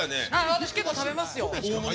私結構食べますよ。